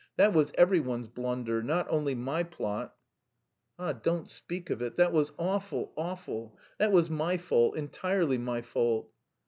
That was every one's blunder, not only my plot." "Ah, don't speak of it! That was awful, awful! That was my fault, entirely my fault!"